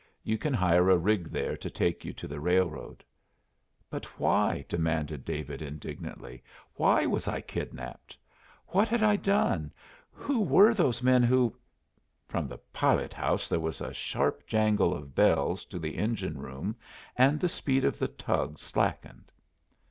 You can hire a rig there to take you to the railroad." "But why?" demanded David indignantly. "Why was I kidnapped? What had I done? Who were those men who " From the pilot house there was a sharp jangle of bells to the engine room, and the speed of the tug slackened.